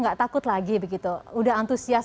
nggak takut lagi begitu udah antusias